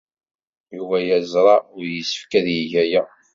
Yuba yeẓra ur yessefk ad yeg aya.